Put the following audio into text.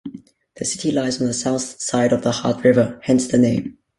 The city lies on the south side of the Heart River, hence the name.